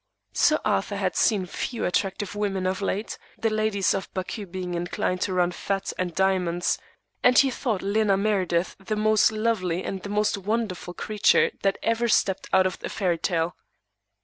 Sir Arthur had seen few attractive women of late, the ladies of Baku being inclined to run to fat and diamonds, and he thought Lena Meredith the most lovely and the most wonderful creature that ever stepped out of a fairy tale.